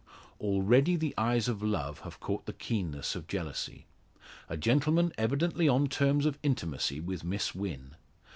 Already the eyes of love have caught the keenness of jealousy. A gentleman evidently on terms of intimacy with Miss Wynn.